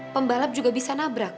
pembalap juga bisa nabrak